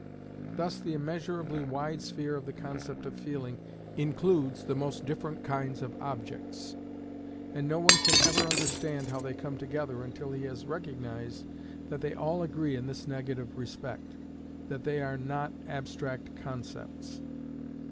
Thus the immeasurably wide sphere of the concept of feeling includes the most different kinds of objects, and no one can ever understand how they come together until he has recognised that they all agree in this negative respect, that they are not abstract concepts.